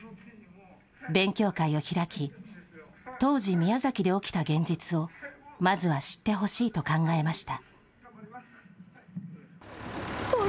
勉強会を開き、当時、宮崎で起きた現実をまずは知ってほしいと考えました。